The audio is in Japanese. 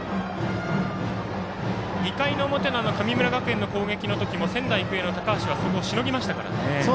２回の表の神村学園の攻撃の時も仙台育英の高橋はそこをしのぎましたからね。